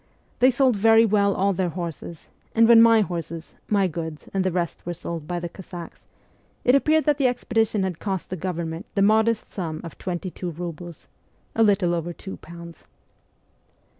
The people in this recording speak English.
They sold very well all their horses, and when my horses, my goods, and the rest were sold by the Cossacks it appeared that the expedition had cost the government the modest sum of twenty two roubles a little over two pounds.